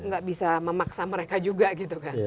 nggak bisa memaksa mereka juga gitu kan